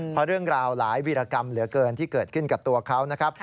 เพราะเรื่องราวหลายวีรกรรมเหลือเกินที่เกิดขึ้นกับตัวเขานะครับ